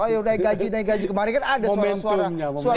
oh yaudah gaji naik gaji kemarin kan ada suara suara